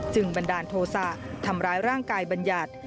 บันดาลโทษะทำร้ายร่างกายบัญญัติ